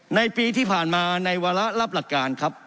ในปีที่ผ่านมาในวาระรับหลักการครับ